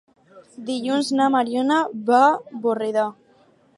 Dilluns na Mariona va a Borredà.